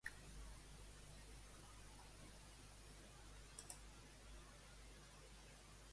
Envia a la Naomi la meva localització actual.